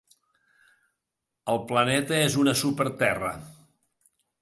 El planeta és una súper-Terra.